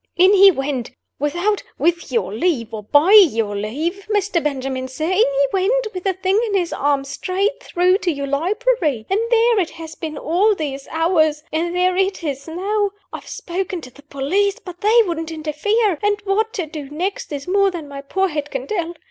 In he went, without 'with your leave,' or 'by your leave,' Mr. Benjamin, sir in he went, with the Thing in his arms, straight through to your library. And there It has been all these hours. And there It is now. I've spoken to the police; but they wouldn't interfere; and what to do next is more than my poor head can tell.